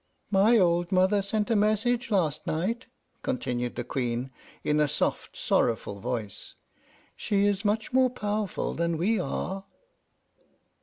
"My old mother sent a message last night," continued the Queen, in a soft, sorrowful voice. "She is much more powerful than we are."